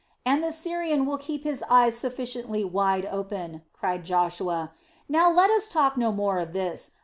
"And the Syrian will keep his eyes sufficiently wide open," cried Joshua. "Now let us talk no more of this.